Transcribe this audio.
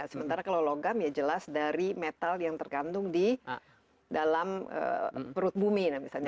sementara kalau logam ya jelas dari metal yang tergantung di dalam perut bumi misalnya